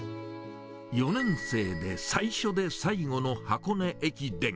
４年生で最初で最後の箱根駅伝。